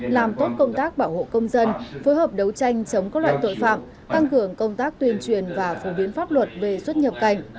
làm tốt công tác bảo hộ công dân phối hợp đấu tranh chống các loại tội phạm tăng cường công tác tuyên truyền và phổ biến pháp luật về xuất nhập cảnh